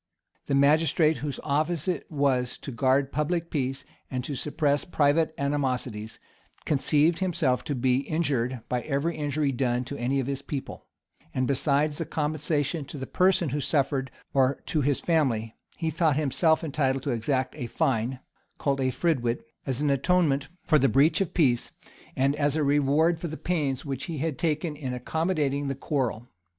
The magistrate, whose office it was to guard public peace, and to suppress private animosities, conceived himself to be injured by every injury done to any of his people; and besides the compensation to the person who suffered, or to his family, he thought himself entitled to exact a fine, called the "fridwit," as an atonement for the breach of peace, and as a reward for the pains which he had taken in accommodating the quarrel.